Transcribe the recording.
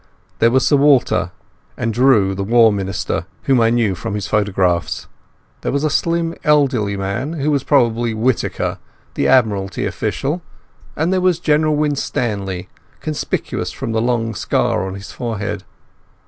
There was Sir Walter, and Drew the War Minister, whom I knew from his photographs. There was a slim elderly man, who was probably Whittaker, the Admiralty official, and there was General Winstanley, conspicuous from the long scar on his forehead.